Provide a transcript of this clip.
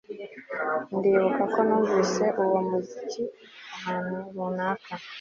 Ndibuka ko numvise uwo muziki ahantu runaka